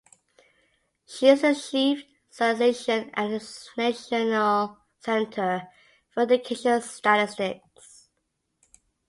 She is the chief statistician at the National Center for Education Statistics.